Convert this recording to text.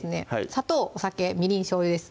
砂糖・お酒・みりん・しょうゆです